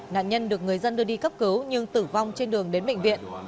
nạn nhân được người dân đưa đi cấp cứu nhưng tử vong trên đường đến bệnh viện